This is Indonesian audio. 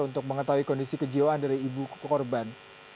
untuk mengetahui kondisi kejiwaan dari ibu korban